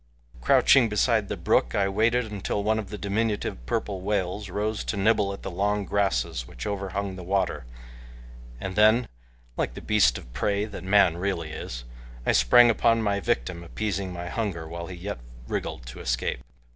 Crouching beside the brook, I waited until one of the diminutive purple whales rose to nibble at the long grasses which overhung the water, and then, like the beast of prey that man really is, I sprang upon my victim, appeasing my hunger while he yet wriggled to escape.